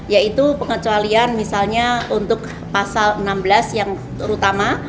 yaitu pengecualian misalnya untuk pasal enam belas yang terutama